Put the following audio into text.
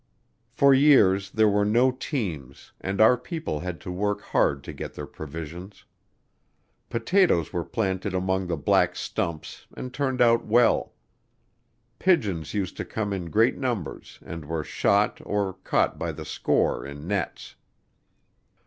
For years there were no teams, and our people had to work hard to get their provisions. Potatoes were planted among the black stumps and turned out well. Pigeons used to come in great numbers and were shot or caught by the score in nets.